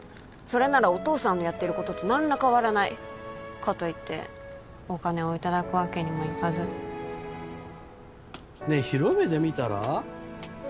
それならお父さんのやってることと何ら変わらないかといってお金をいただくわけにもいかずねえ広い目で見たら？